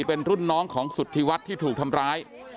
เป็นรุ่นน้องของสุธิวัฒน์ที่ถูกทำร้าย